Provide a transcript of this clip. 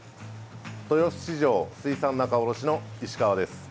豊洲市場水産仲卸の石川です。